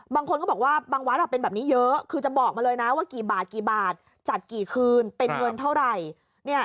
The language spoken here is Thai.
บางคนก็บอกว่าบางวัดเป็นแบบนี้เยอะคือจะบอกมาเลยนะว่ากี่บาทกี่บาทจัดกี่คืนเป็นเงินเท่าไหร่